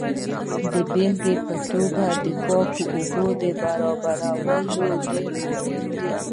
د بیلګې په توګه د پاکو اوبو برابرول ډیر مهم دي.